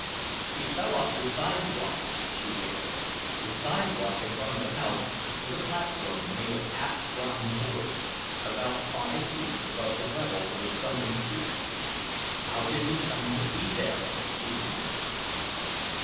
"He fell off the sidewalk!" she wailed. The sidewalk in front of the house was a platform made of half rotten boards, about five feet above the level of the sunken street. "How did he come to be there?" he demanded.